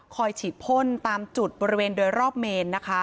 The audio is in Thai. คอยฉีดพ่นตามจุดบริเวณโดยรอบเมน